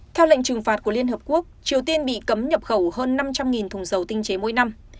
theo lệnh trừng phạt của liên hợp quốc triều tiên bị cấm nhập khẩu hơn năm trăm linh thùng dầu tinh chế mỗi năm